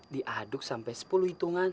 diaduk sampai sepuluh hitungan